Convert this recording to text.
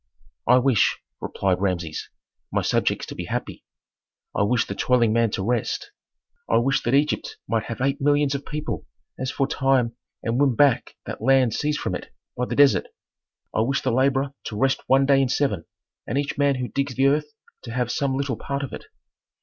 '" "I wish," replied Rameses, "my subjects to be happy; I wish the toiling man to rest; I wish that Egypt might have eight millions of people as aforetime and win back that land seized from it by the desert; I wish the laborer to rest one day in seven and each man who digs the earth to have some little part of it."